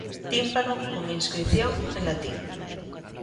Tímpano con inscrición en latín.